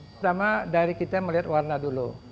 pertama dari kita melihat warna dulu